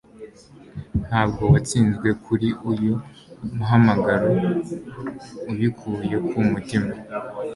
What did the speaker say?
ntabwo watsinzwe kuri uyu muhamagaro ubikuye ku mutima